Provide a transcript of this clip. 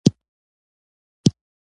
د موټرو سوداګري ډیره لویه ده